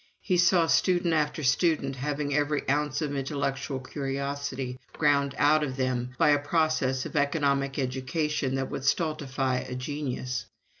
He saw student after student having every ounce of intellectual curiosity ground out of them by a process of economic education that would stultify a genius.